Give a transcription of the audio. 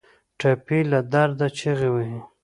ټپي له درد چیغې وهي.